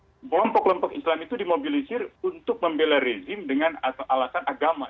kelompok kelompok islam itu dimobilisir untuk membela rezim dengan alasan agama